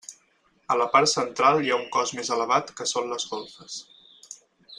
A la part central hi ha un cos més elevat que són les golfes.